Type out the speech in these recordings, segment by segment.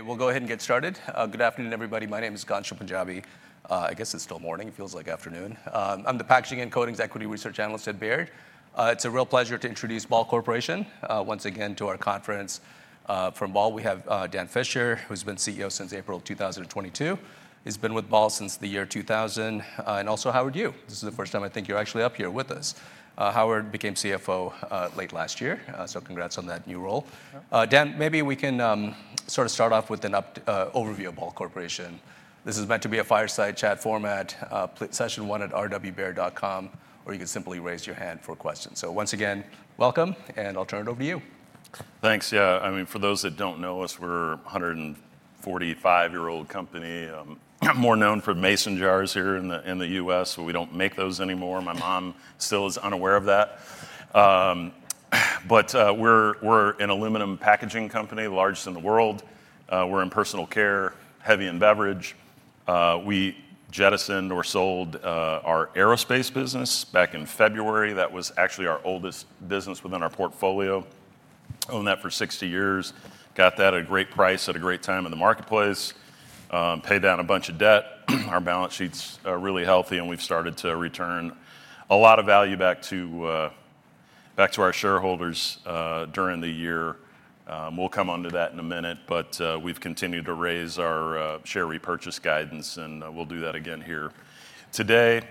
We'll go ahead and get started. Good afternoon, everybody. My name is Ghansham Panjabi. I guess it's still morning. It feels like afternoon. I'm the Packaging and Coatings Equity Research Analyst at Baird. It's a real pleasure to introduce Ball Corporation once again to our conference. From Ball, we have Dan Fisher, who's been CEO since April 2022. He's been with Ball since the year 2000, and also Howard Yu. This is the first time I think you're actually up here with us. Howard became CFO late last year, so congrats on that new role. Dan, maybe we can sort of start off with an overview of Ball Corporation. This is meant to be a fireside chat format, session one at rwbaird.com, or you can simply raise your hand for questions, so once again, welcome, and I'll turn it over to you. Thanks. Yeah, I mean, for those that don't know us, we're a 145-year-old company, more known for Mason jars here in the U.S. We don't make those anymore. My mom still is unaware of that. But we're an aluminum packaging company, the largest in the world. We're in personal care, heavy in beverage. We jettisoned or sold our aerospace business back in February. That was actually our oldest business within our portfolio. Owned that for 60 years. Got that at a great price at a great time in the marketplace. Paid down a bunch of debt. Our balance sheet's really healthy, and we've started to return a lot of value back to our shareholders during the year. We'll come on to that in a minute, but we've continued to raise our share repurchase guidance, and we'll do that again here. Today,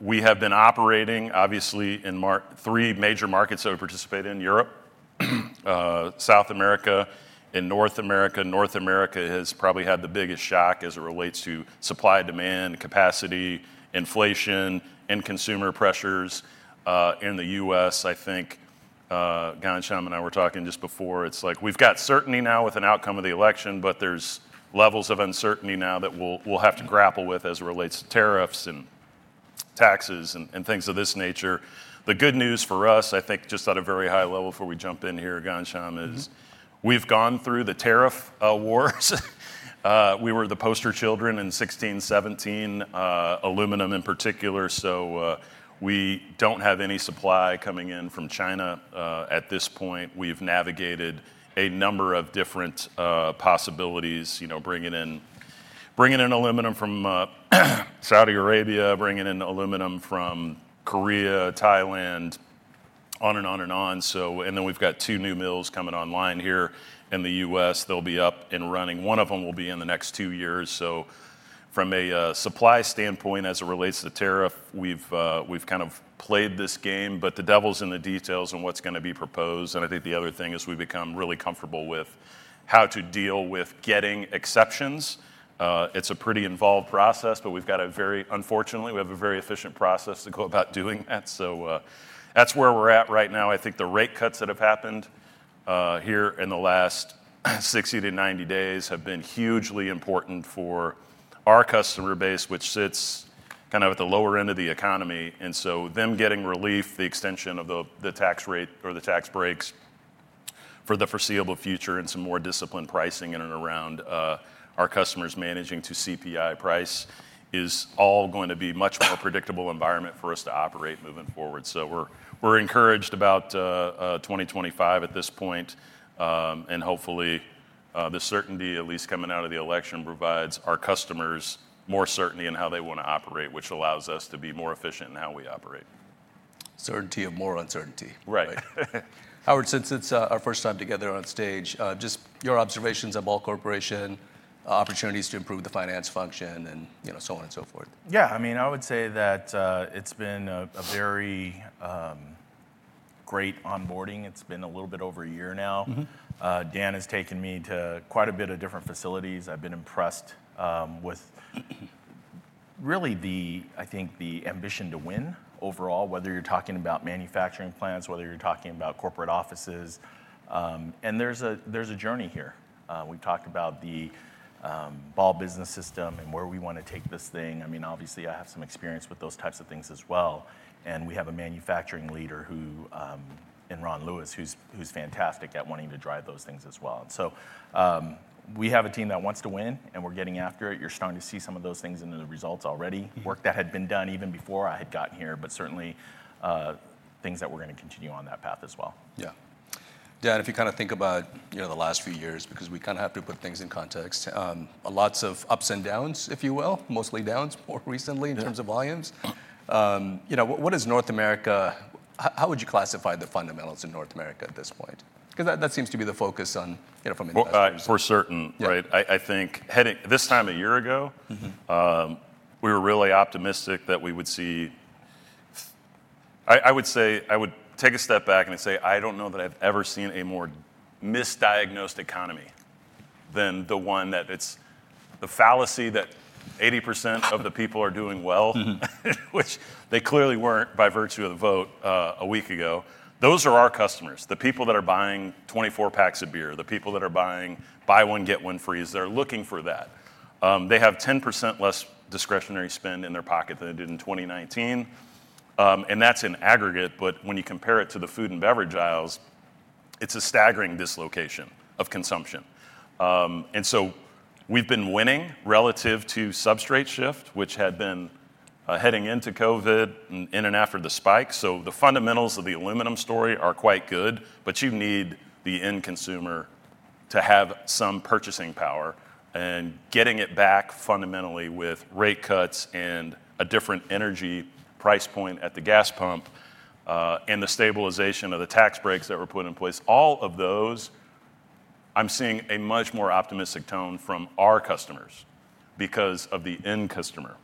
we have been operating, obviously, in three major markets that we participate in: Europe, South America, and North America. North America has probably had the biggest shock as it relates to supply and demand, capacity, inflation, and consumer pressures. In the U.S., I think Ghansham and I were talking just before. It's like we've got certainty now with an outcome of the election, but there's levels of uncertainty now that we'll have to grapple with as it relates to tariffs and taxes and things of this nature. The good news for us, I think just at a very high level before we jump in here, Ghansham, is we've gone through the tariff wars. We were the poster children in 2016-2017, aluminum in particular. So we don't have any supply coming in from China at this point. We've navigated a number of different possibilities, bringing in aluminum from Saudi Arabia, bringing in aluminum from Korea, Thailand, on and on and on, and then we've got two new mills coming online here in the U.S. They'll be up and running. One of them will be in the next two years, so from a supply standpoint, as it relates to tariff, we've kind of played this game, but the devil's in the details on what's going to be proposed, and I think the other thing is we've become really comfortable with how to deal with getting exceptions. It's a pretty involved process, but we've got a very, unfortunately, we have a very efficient process to go about doing that, so that's where we're at right now. I think the rate cuts that have happened here in the last 60-90 days have been hugely important for our customer base, which sits kind of at the lower end of the economy, and so them getting relief, the extension of the tax rate or the tax breaks for the foreseeable future, and some more disciplined pricing in and around our customers managing to CPI price is all going to be a much more predictable environment for us to operate moving forward, so we're encouraged about 2025 at this point, and hopefully, the certainty, at least coming out of the election, provides our customers more certainty in how they want to operate, which allows us to be more efficient in how we operate. Certainty of more uncertainty. Right. Howard, since it's our first time together on stage, just your observations of Ball Corporation, opportunities to improve the finance function, and so on and so forth. Yeah, I mean, I would say that it's been a very great onboarding. It's been a little bit over a year now. Dan has taken me to quite a bit of different facilities. I've been impressed with really, I think, the ambition to win overall, whether you're talking about manufacturing plants, whether you're talking about corporate offices. And there's a journey here. We talked about the Ball Business System and where we want to take this thing. I mean, obviously, I have some experience with those types of things as well. And we have a manufacturing leader in Ron Lewis who's fantastic at wanting to drive those things as well. So we have a team that wants to win, and we're getting after it. You're starting to see some of those things in the results already, work that had been done even before I had gotten here, but certainly things that we're going to continue on that path as well. Yeah. Dan, if you kind of think about the last few years, because we kind of have to put things in context, lots of ups and downs, if you will, mostly downs more recently in terms of volumes. What is North America? How would you classify the fundamentals in North America at this point? Because that seems to be the focus from investors. For certain, right? I think this time a year ago, we were really optimistic that we would see. I would say I would take a step back and say I don't know that I've ever seen a more misdiagnosed economy than the one that it's the fallacy that 80% of the people are doing well, which they clearly weren't by virtue of the vote a week ago. Those are our customers, the people that are buying 24 packs of beer, the people that are buying buy one, get one free. They're looking for that. They have 10% less discretionary spend in their pocket than they did in 2019, and that's in aggregate. But when you compare it to the food and beverage aisles, it's a staggering dislocation of consumption, and so we've been winning relative to substrate shift, which had been heading into COVID and in and after the spike. The fundamentals of the aluminum story are quite good, but you need the end consumer to have some purchasing power. Getting it back fundamentally with rate cuts and a different energy price point at the gas pump and the stabilization of the tax breaks that were put in place, all of those, I'm seeing a much more optimistic tone from our customers because of the end customer.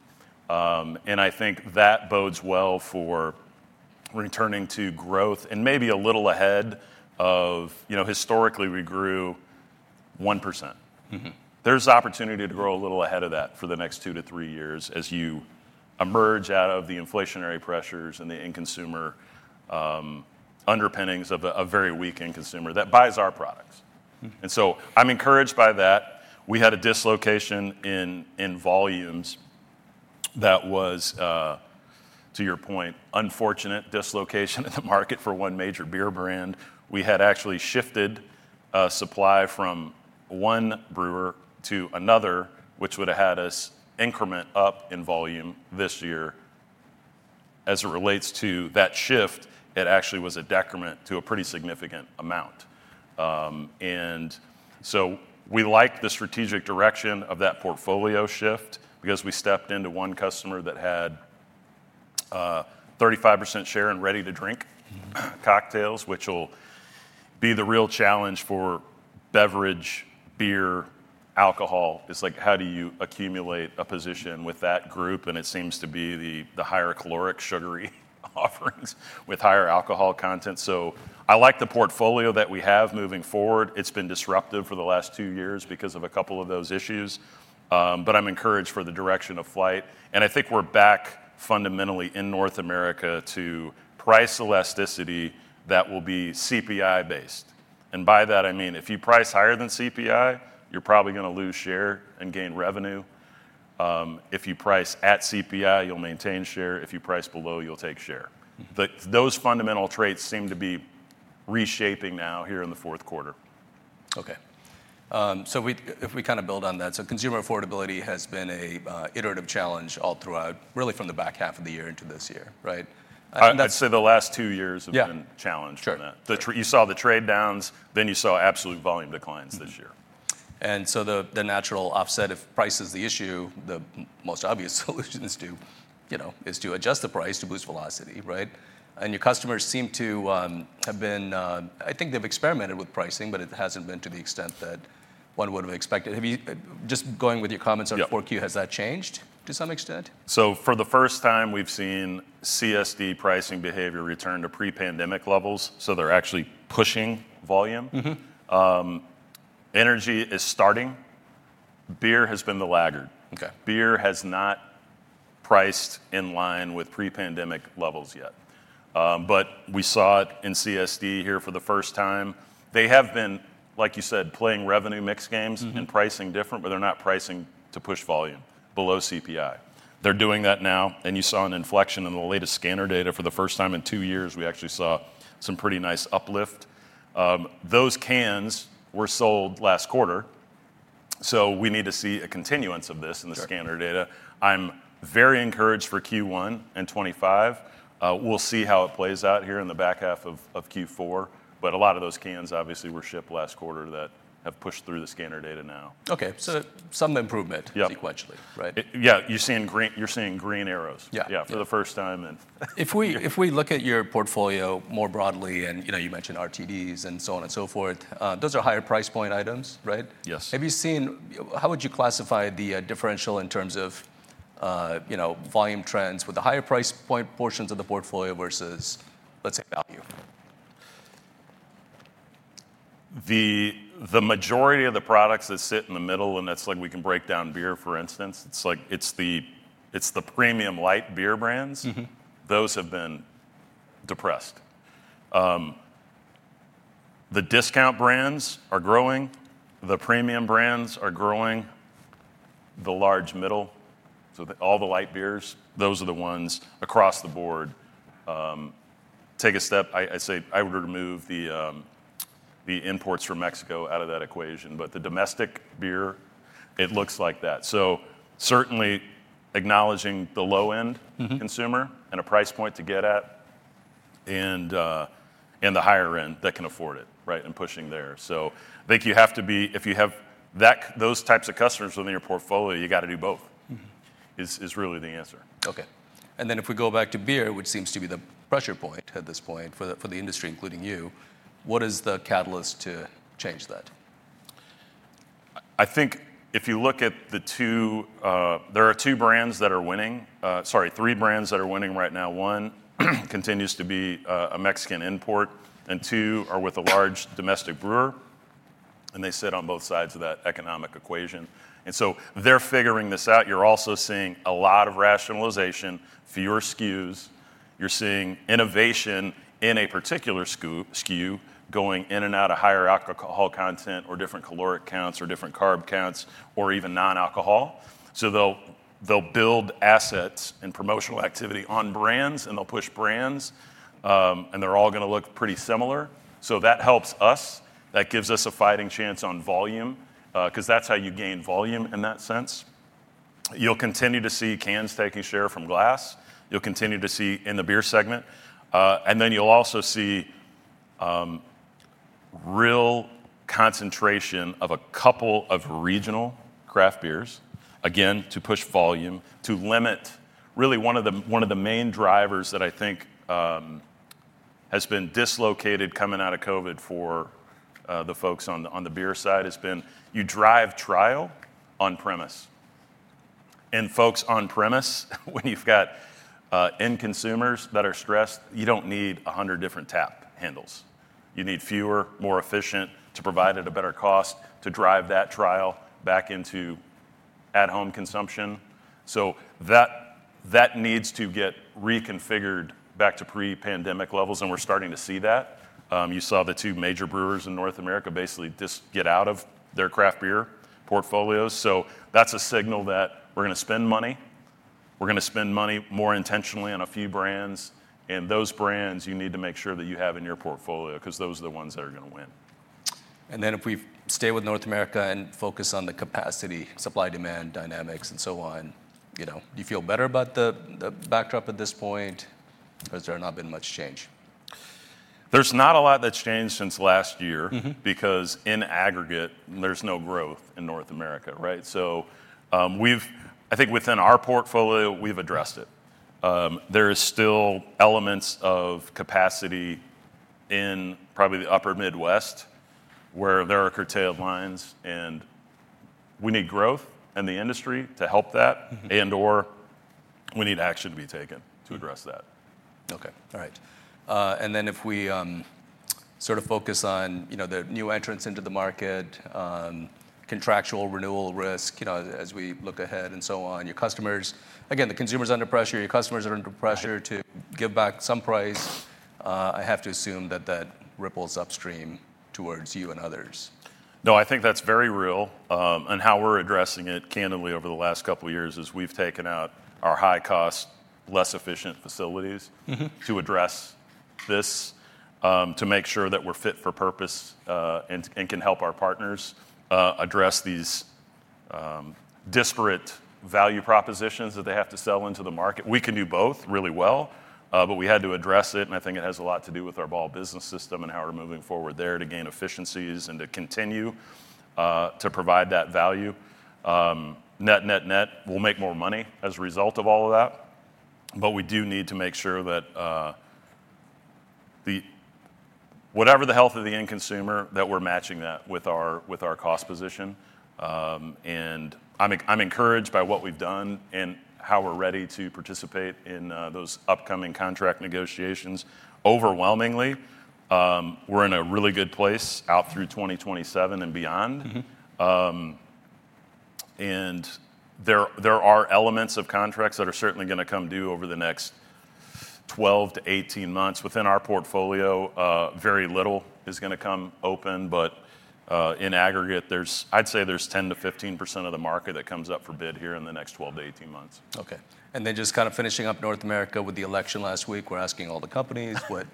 I think that bodes well for returning to growth and maybe a little ahead of historically we grew 1%. There's opportunity to grow a little ahead of that for the next two to three years as you emerge out of the inflationary pressures and the end consumer underpinnings of a very weak end consumer that buys our products. I'm encouraged by that. We had a dislocation in volumes that was, to your point, unfortunate dislocation in the market for one major beer brand. We had actually shifted supply from one brewer to another, which would have had us increment up in volume this year. As it relates to that shift, it actually was a decrement to a pretty significant amount. And so we like the strategic direction of that portfolio shift because we stepped into one customer that had 35% share in ready-to-drink cocktails, which will be the real challenge for beverage, beer, alcohol. It's like, how do you accumulate a position with that group? And it seems to be the higher caloric sugary offerings with higher alcohol content. So I like the portfolio that we have moving forward. It's been disruptive for the last two years because of a couple of those issues. But I'm encouraged for the direction of flight. I think we're back fundamentally in North America to price elasticity that will be CPI-based. By that, I mean, if you price higher than CPI, you're probably going to lose share and gain revenue. If you price at CPI, you'll maintain share. If you price below, you'll take share. Those fundamental traits seem to be reshaping now here in the fourth quarter. Okay. So if we kind of build on that, so consumer affordability has been an iterative challenge all throughout, really from the back half of the year into this year, right? I'd say the last two years have been challenged from that. You saw the trade downs, then you saw absolute volume declines this year. And so the natural offset of price is the issue. The most obvious solution is to adjust the price to boost velocity, right? And your customers seem to have been, I think they've experimented with pricing, but it hasn't been to the extent that one would have expected. Just going with your comments on 4Q, has that changed to some extent? So for the first time, we've seen CSD pricing behavior return to pre-pandemic levels. So they're actually pushing volume. Energy is starting. Beer has been the laggard. Beer has not priced in line with pre-pandemic levels yet. But we saw it in CSD here for the first time. They have been, like you said, playing revenue mix games and pricing different, but they're not pricing to push volume below CPI. They're doing that now. And you saw an inflection in the latest scanner data for the first time in two years. We actually saw some pretty nice uplift. Those cans were sold last quarter. So we need to see a continuance of this in the scanner data. I'm very encouraged for Q1 in 2025. We'll see how it plays out here in the back half of Q4. But a lot of those cans, obviously, were shipped last quarter that have pushed through the scanner data now. Okay. So some improvement sequentially, right? Yeah. You're seeing green arrows. Yeah, for the first time in. If we look at your portfolio more broadly, and you mentioned RTDs and so on and so forth, those are higher price point items, right? Yes. Have you seen, how would you classify the differential in terms of volume trends with the higher price point portions of the portfolio versus, let's say, value? The majority of the products that sit in the middle, and that's like we can break down beer, for instance. It's the premium light beer brands. Those have been depressed. The discount brands are growing. The premium brands are growing. The large, middle, so all the light beers, those are the ones across the board. Take a step. I say I would remove the imports from Mexico out of that equation. But the domestic beer, it looks like that. So certainly acknowledging the low-end consumer and a price point to get at and the higher end that can afford it, right, and pushing there. So I think you have to be, if you have those types of customers within your portfolio, you got to do both is really the answer. Okay. And then if we go back to beer, which seems to be the pressure point at this point for the industry, including you, what is the catalyst to change that? I think if you look at the two, there are two brands that are winning. Sorry, three brands that are winning right now. One continues to be a Mexican import, and two are with a large domestic brewer, and they sit on both sides of that economic equation, and so they're figuring this out. You're also seeing a lot of rationalization, fewer SKUs. You're seeing innovation in a particular SKU going in and out of higher alcohol content or different caloric counts or different carb counts or even non-alcohol, so they'll build assets and promotional activity on brands, and they'll push brands, and they're all going to look pretty similar, so that helps us. That gives us a fighting chance on volume because that's how you gain volume in that sense. You'll continue to see cans taking share from glass. You'll continue to see in the beer segment. And then you'll also see real concentration of a couple of regional craft beers, again, to push volume, to limit. Really, one of the main drivers that I think has been dislocated coming out of COVID for the folks on the beer side has been you drive trial on-premise. And folks on-premise, when you've got end consumers that are stressed, you don't need 100 different tap handles. You need fewer, more efficient to provide at a better cost to drive that trial back into at-home consumption. So that needs to get reconfigured back to pre-pandemic levels, and we're starting to see that. You saw the two major brewers in North America basically just get out of their craft beer portfolios. So that's a signal that we're going to spend money. We're going to spend money more intentionally on a few brands. Those brands, you need to make sure that you have in your portfolio because those are the ones that are going to win. If we stay with North America and focus on the capacity, supply-demand dynamics, and so on, do you feel better about the backdrop at this point? Has there not been much change? There's not a lot that's changed since last year because in aggregate, there's no growth in North America, right? So I think within our portfolio, we've addressed it. There are still elements of capacity in probably the upper Midwest where there are curtailed lines, and we need growth in the industry to help that, and/or we need action to be taken to address that. Okay. All right, and then if we sort of focus on the new entrants into the market, contractual renewal risk as we look ahead and so on, your customers, again, the consumers under pressure, your customers are under pressure to give back some price. I have to assume that that ripples upstream towards you and others. No, I think that's very real. And how we're addressing it candidly over the last couple of years is we've taken out our high-cost, less efficient facilities to address this, to make sure that we're fit for purpose and can help our partners address these disparate value propositions that they have to sell into the market. We can do both really well, but we had to address it. And I think it has a lot to do with our Ball Business System and how we're moving forward there to gain efficiencies and to continue to provide that value. Net, net, net, we'll make more money as a result of all of that. But we do need to make sure that whatever the health of the end consumer, that we're matching that with our cost position. I'm encouraged by what we've done and how we're ready to participate in those upcoming contract negotiations. Overwhelmingly, we're in a really good place out through 2027 and beyond. There are elements of contracts that are certainly going to come due over the next 12-18 months. Within our portfolio, very little is going to come open. In aggregate, I'd say there's 10%-15% of the market that comes up for bid here in the next 12-18 months. Okay. And then just kind of finishing up North America with the election last week, we're asking all the companies what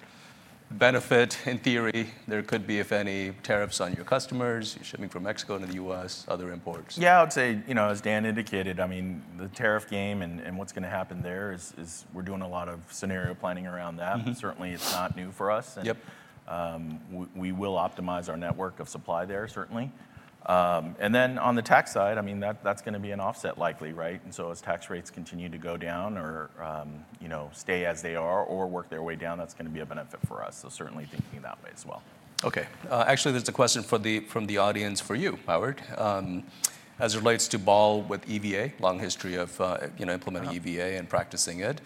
benefit, in theory, there could be, if any, tariffs on your customers, you shipping from Mexico to the U.S., other imports. Yeah, I would say, as Dan indicated, I mean, the tariff game and what's going to happen there is we're doing a lot of scenario planning around that. Certainly, it's not new for us. And we will optimize our network of supply there, certainly. And then on the tax side, I mean, that's going to be an offset likely, right? And so as tax rates continue to go down or stay as they are or work their way down, that's going to be a benefit for us. So certainly thinking that way as well. Okay. Actually, there's a question from the audience for you, Howard, as it relates to Ball with EVA, long history of implementing EVA and practicing it.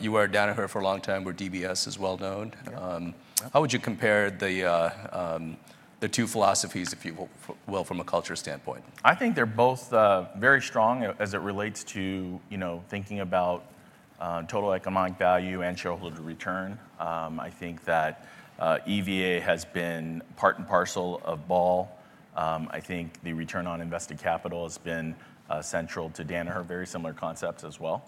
You were at Danaher for a long time where DBS is well known. How would you compare the two philosophies, if you will, from a culture standpoint? I think they're both very strong as it relates to thinking about total economic value and shareholder return. I think that EVA has been part and parcel of Ball. I think the return on invested capital has been central to Danaher, very similar concepts as well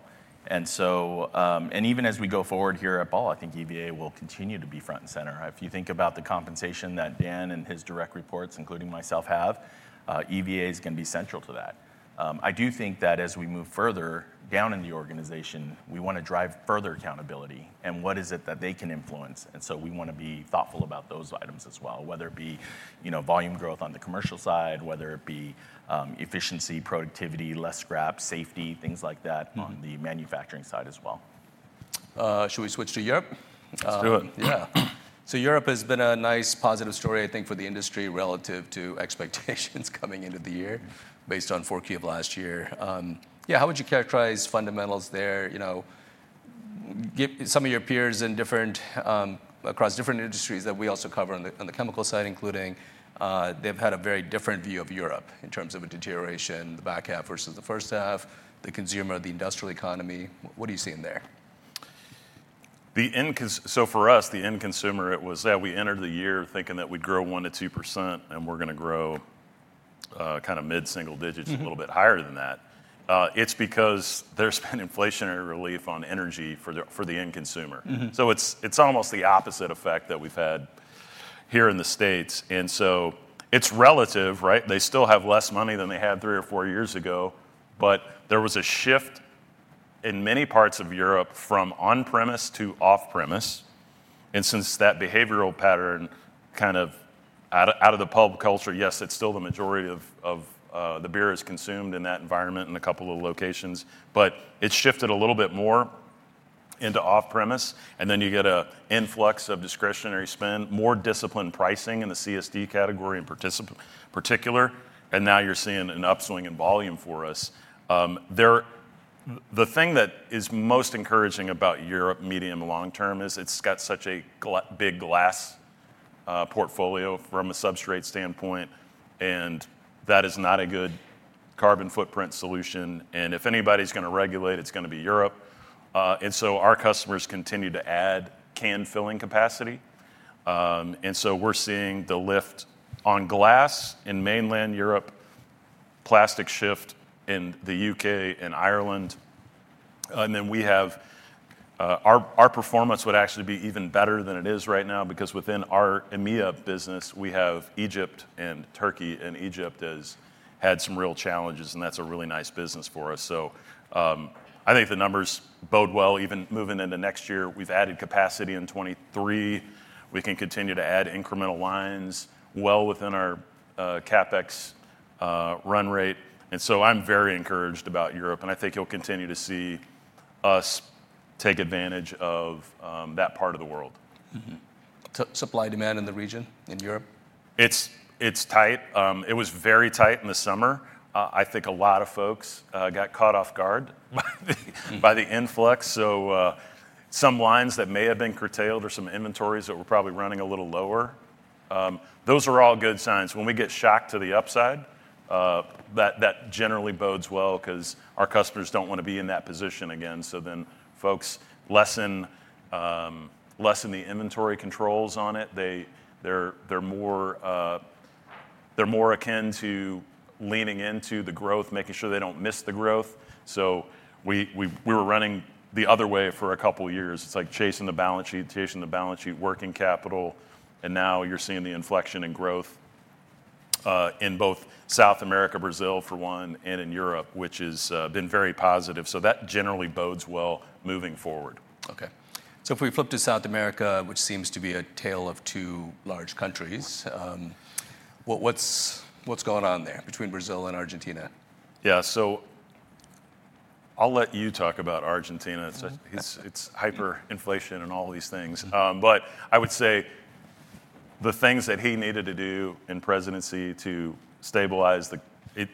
and even as we go forward here at Ball, I think EVA will continue to be front and center. If you think about the compensation that Dan and his direct reports, including myself, have, EVA is going to be central to that. I do think that as we move further down in the organization, we want to drive further accountability and what is it that they can influence. And so we want to be thoughtful about those items as well, whether it be volume growth on the commercial side, whether it be efficiency, productivity, less scrap, safety, things like that on the manufacturing side as well. Should we switch to Europe? Let's do it. Yeah. So Europe has been a nice positive story, I think, for the industry relative to expectations coming into the year based on 4Q of last year. Yeah, how would you characterize fundamentals there? Some of your peers across different industries that we also cover on the chemical side, including they've had a very different view of Europe in terms of a deterioration, the back half versus the first half, the consumer, the industrial economy. What do you see in there? For us, the end consumer, it was that we entered the year thinking that we'd grow 1%-2% and we're going to grow kind of mid-single digits, a little bit higher than that. It's because there's been inflationary relief on energy for the end consumer. So it's almost the opposite effect that we've had here in the States. And so it's relative, right? They still have less money than they had three or four years ago, but there was a shift in many parts of Europe from on-premise to off-premise. And since that behavioral pattern kind of out of the pub culture, yes, it's still the majority of the beer is consumed in that environment in a couple of locations, but it's shifted a little bit more into off-premise. And then you get an influx of discretionary spend, more disciplined pricing in the CSD category in particular. And now you're seeing an upswing in volume for us. The thing that is most encouraging about Europe, medium and long term, is it's got such a big glass portfolio from a substrate standpoint, and that is not a good carbon footprint solution. And if anybody's going to regulate, it's going to be Europe. And so our customers continue to add can filling capacity. And so we're seeing the lift on glass in mainland Europe, plastic shift in the U.K. and Ireland. And then we have our performance would actually be even better than it is right now because within our EMEA business, we have Egypt and Turkey, and Egypt has had some real challenges, and that's a really nice business for us. So I think the numbers bode well. Even moving into next year, we've added capacity in 2023. We can continue to add incremental lines well within our CapEx run rate. And so I'm very encouraged about Europe, and I think you'll continue to see us take advantage of that part of the world. Supply demand in the region in Europe? It's tight. It was very tight in the summer. I think a lot of folks got caught off guard by the influx. So some lines that may have been curtailed or some inventories that were probably running a little lower, those are all good signs. When we get shocked to the upside, that generally bodes well because our customers don't want to be in that position again. So then folks lessen the inventory controls on it. They're more akin to leaning into the growth, making sure they don't miss the growth. So we were running the other way for a couple of years. It's like chasing the balance sheet, chasing the balance sheet, working capital. And now you're seeing the inflection in growth in both South America, Brazil, for one, and in Europe, which has been very positive. So that generally bodes well moving forward. Okay. So if we flip to South America, which seems to be a tale of two large countries, what's going on there between Brazil and Argentina? Yeah. So I'll let you talk about Argentina. It's hyperinflation and all these things. But I would say the things that he needed to do in presidency to stabilize,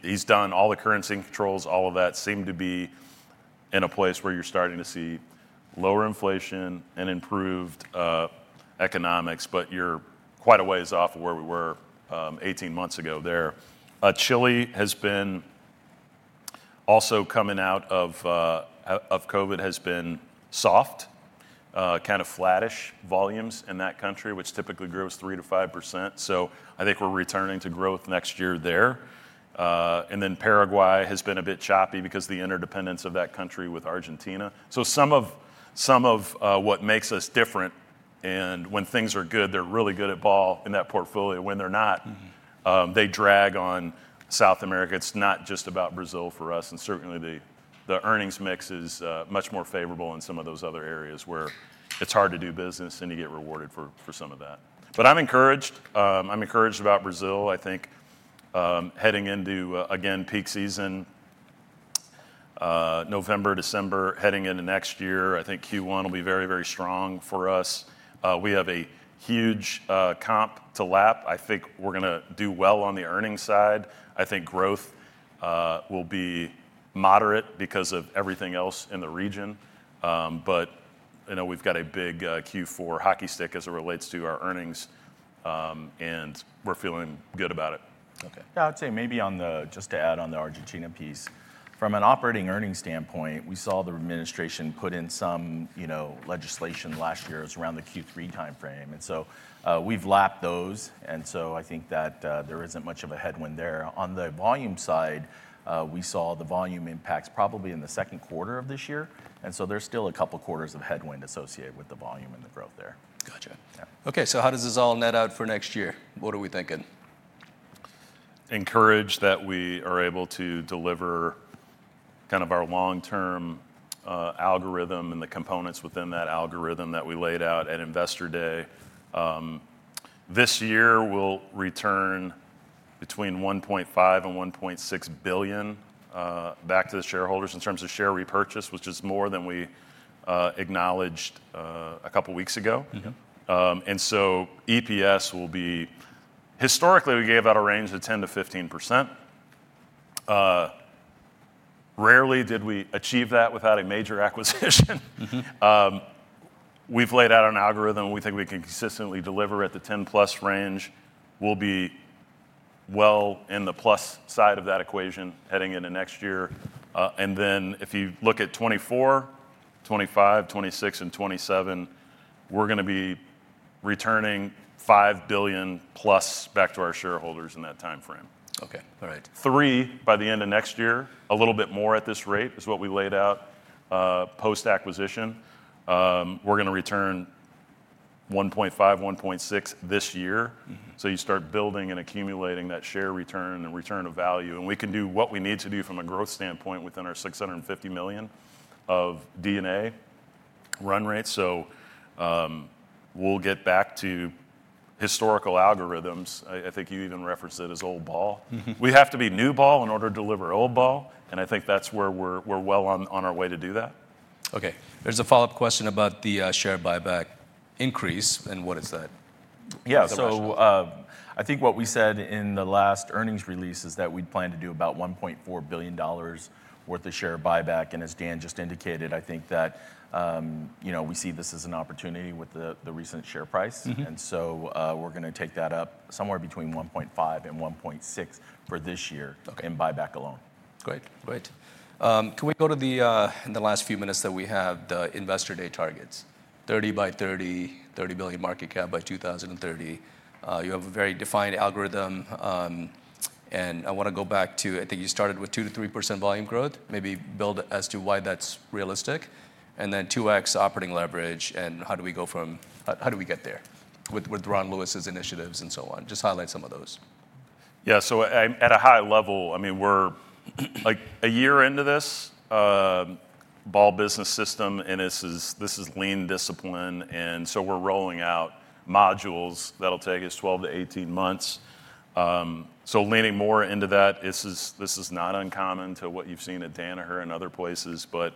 he's done all the currency controls, all of that seem to be in a place where you're starting to see lower inflation and improved economics, but you're quite a ways off of where we were 18 months ago there. Chile has been also coming out of COVID, has been soft, kind of flattish volumes in that country, which typically grows 3%-5%. So I think we're returning to growth next year there, and then Paraguay has been a bit choppy because of the interdependence of that country with Argentina, so some of what makes us different, and when things are good, they're really good at Ball in that portfolio. When they're not, they drag on South America. It's not just about Brazil for us, and certainly, the earnings mix is much more favorable in some of those other areas where it's hard to do business and you get rewarded for some of that, but I'm encouraged. I'm encouraged about Brazil. I think heading into, again, peak season, November, December, heading into next year, I think Q1 will be very, very strong for us. We have a huge comp to lap. I think we're going to do well on the earnings side. I think growth will be moderate because of everything else in the region, but we've got a big Q4 hockey stick as it relates to our earnings, and we're feeling good about it. Okay. Yeah, I would say maybe just to add on the Argentina piece, from an operating earnings standpoint, we saw the administration put in some legislation last year around the Q3 timeframe, and so we've lapped those, and so I think that there isn't much of a headwind there. On the volume side, we saw the volume impacts probably in the second quarter of this year, and so there's still a couple of quarters of headwind associated with the volume and the growth there. Gotcha. Okay. So how does this all net out for next year? What are we thinking? Encouraged that we are able to deliver kind of our long-term algorithm and the components within that algorithm that we laid out at investor day. This year, we'll return between $1.5 billion and $1.6 billion back to the shareholders in terms of share repurchase, which is more than we acknowledged a couple of weeks ago. And so EPS will be. Historically, we gave out a range of 10%-15%. Rarely did we achieve that without a major acquisition. We've laid out an algorithm we think we can consistently deliver at the 10-plus range. We'll be well in the plus side of that equation heading into next year. And then if you look at 2024, 2025, 2026, and 2027, we're going to be returning $5 billion-plus back to our shareholders in that timeframe. Okay. All right. Three by the end of next year, a little bit more at this rate is what we laid out post-acquisition. We're going to return 1.5, 1.6 this year. So you start building and accumulating that share return and return of value. And we can do what we need to do from a growth standpoint within our $650 million of D&A run rate. So we'll get back to historical algorithms. I think you even referenced it as old ball. We have to be new ball in order to deliver old ball. And I think that's where we're well on our way to do that. Okay. There's a follow-up question about the share buyback increase. And what is that? Yeah. So I think what we said in the last earnings release is that we'd plan to do about $1.4 billion worth of share buyback. And as Dan just indicated, I think that we see this as an opportunity with the recent share price. And so we're going to take that up somewhere between $1.5 billion and $1.6 billion for this year in buyback alone. Great. Great. Can we go to the last few minutes that we have, the investor day targets? 30 by 30, $30 billion market cap by 2030. You have a very defined algorithm. And I want to go back to, I think you started with 2%-3% volume growth, maybe build as to why that's realistic. And then 2x operating leverage. And how do we go from, how do we get there with Ron Lewis's initiatives and so on? Just highlight some of those. Yeah. So at a high level, I mean, we're a year into this Ball Business System, and this is lean discipline. And so we're rolling out modules that'll take us 12-18 months. So leaning more into that, this is not uncommon to what you've seen at Danaher and other places. But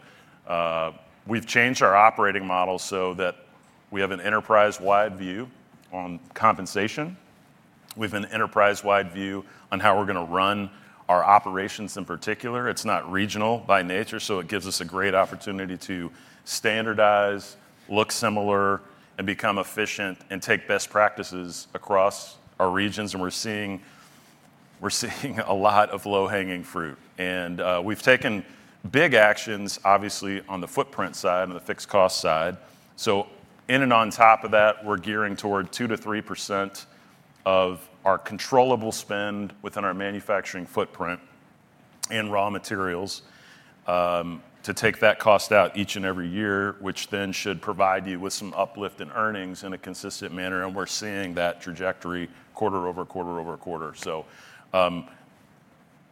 we've changed our operating model so that we have an enterprise-wide view on compensation. We have an enterprise-wide view on how we're going to run our operations in particular. It's not regional by nature. So it gives us a great opportunity to standardize, look similar, and become efficient and take best practices across our regions. And we're seeing a lot of low-hanging fruit. And we've taken big actions, obviously, on the footprint side and the fixed cost side. So in and on top of that, we're gearing toward 2%-3% of our controllable spend within our manufacturing footprint and raw materials to take that cost out each and every year, which then should provide you with some uplift in earnings in a consistent manner. And we're seeing that trajectory quarter over quarter over quarter. So I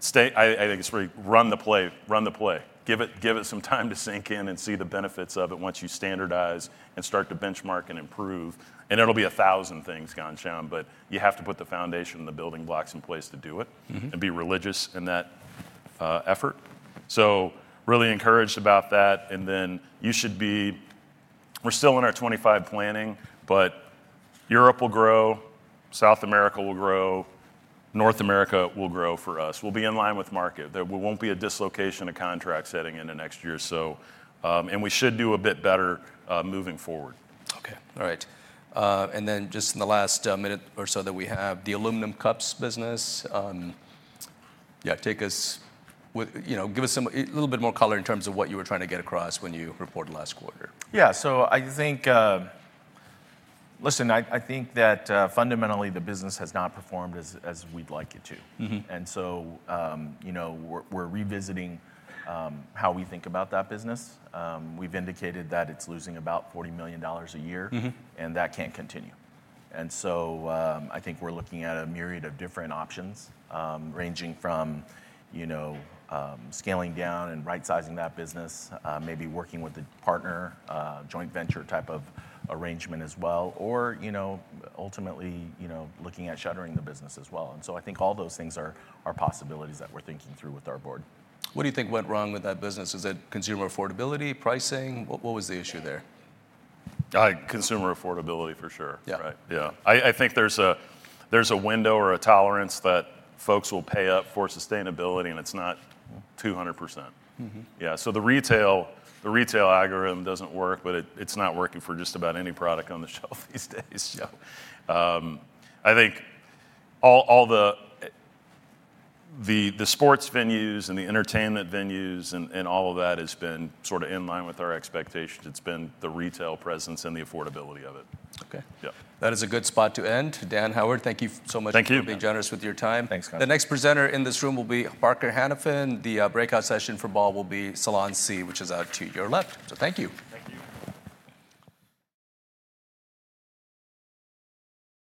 think it's really run the play, run the play. Give it some time to sink in and see the benefits of it once you standardize and start to benchmark and improve. And it'll be a thousand things, Ghansham, but you have to put the foundation and the building blocks in place to do it and be religious in that effort. So really encouraged about that. And then you should be. We're still in our 2025 planning, but Europe will grow, South America will grow, North America will grow for us. We'll be in line with market. There won't be a dislocation of contracts heading into next year or so. And we should do a bit better moving forward. Okay. All right. And then, just in the last minute or so that we have, the aluminum cups business. Yeah, take us, give us a little bit more color in terms of what you were trying to get across when you reported last quarter. Yeah. So I think, listen, I think that fundamentally the business has not performed as we'd like it to. And so we're revisiting how we think about that business. We've indicated that it's losing about $40 million a year, and that can't continue. And so I think we're looking at a myriad of different options ranging from scaling down and right-sizing that business, maybe working with a partner, joint venture type of arrangement as well, or ultimately looking at shuttering the business as well. And so I think all those things are possibilities that we're thinking through with our board. What do you think went wrong with that business? Is it consumer affordability, pricing? What was the issue there? Consumer affordability for sure. Yeah. Right? Yeah. I think there's a window or a tolerance that folks will pay up for sustainability, and it's not 200%. Yeah. So the retail algorithm doesn't work, but it's not working for just about any product on the shelf these days. So I think all the sports venues and the entertainment venues and all of that has been sort of in line with our expectations. It's been the retail presence and the affordability of it. Okay. That is a good spot to end. Dan, Howard, thank you so much for being generous with your time. Thank you. The next presenter in this room will be Parker Hannifin. The breakout session for Ball will be Salon C, which is out to your left. So thank you. Thank you.